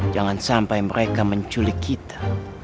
jangan sampai mereka menculik kita